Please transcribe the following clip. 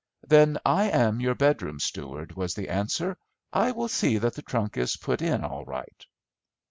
"Then I am your bedroom steward," was the answer; "I will see that the trunk is put in all right."